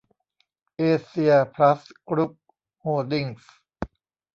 เอเซีย พลัส กรุ๊ป โฮลดิ้งส์